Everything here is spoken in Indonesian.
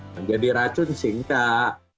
menjadi racun sih enggak